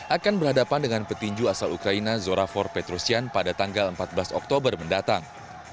akan berhadapan dengan petinju asal ukraina zorafor petrosyan pada tanggal empat belas oktober mendatang